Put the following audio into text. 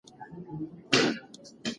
که پټو په اوږه کړو نو یخ نه راځي.